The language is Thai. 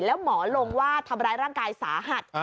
แล้วหมอลงว่าทำร้ายร่างกายสาหัส